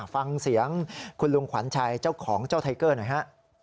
ฟังเสียงคุณลุงขวัญชัยเจ้าของเจ้าไทเกอร์หน่อยฮะ